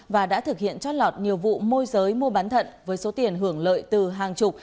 và đã thực hiện trót lọt nhiều vụ môi giới mua bán thận với số tiền hưởng lợi từ hàng chục